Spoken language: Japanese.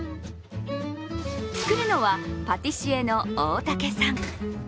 作るのはパティシエの大竹さん。